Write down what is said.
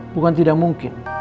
bukan tidak mungkin